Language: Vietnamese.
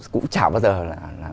cũng chả bao giờ là